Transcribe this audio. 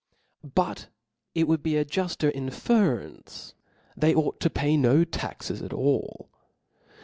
But it would be a jufter inference, that they ought to pay no taxes at all.